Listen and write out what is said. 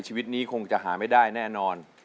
ชีวิตนี้คงจะหาไม่ได้แน่นอน